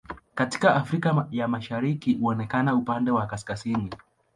Katika Afrika ya Mashariki huonekana upande wa kaskazini.